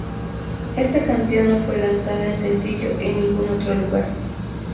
Esta canción no fue lanzada en sencillo en ningún otro lugar.